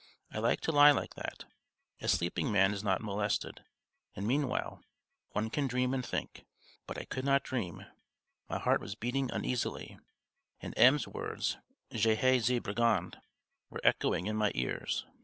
I liked to lie like that; a sleeping man is not molested, and meanwhile one can dream and think. But I could not dream, my heart was beating uneasily, and M.'s words, "Je haïs ces brigands!" were echoing in my ears.